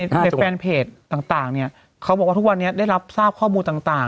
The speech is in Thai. ในแฟนเพจต่างเนี่ยเขาบอกว่าทุกวันนี้ได้รับทราบข้อมูลต่าง